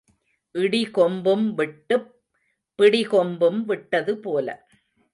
இடி கொம்பும் விட்டுப் பிடி கொம்பும் விட்டது போல.